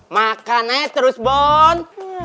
makan aja terus bon